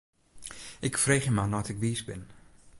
Ik freegje mar nei't ik wiis bin.